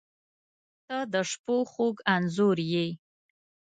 • ته د شپو خوږ انځور یې.